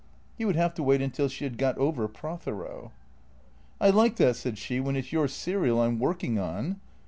He would have to wait until she had got over Prothero. " I like that," said she, " when it 's your serial I 'm working on."